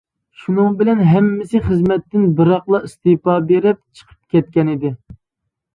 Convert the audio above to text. شۇنىڭ بىلەن ھاممىسى خىزمەتتىن بىراقلا ئىستېپا بېرىپ چىقىپ كەتكەنىدى.